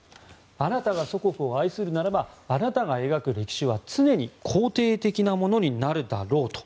「あなたが祖国を愛するならばあなたが描く歴史は常に肯定的なものになるだろう」